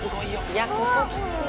いやここきつい。